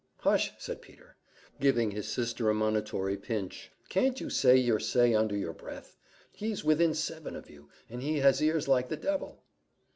"Hush!" said Peter, giving his sister a monitory pinch "can't you say your say under your breath? he's within seven of you, and he has ears like the devil."